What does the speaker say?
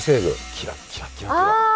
キラッキラキラッキラ。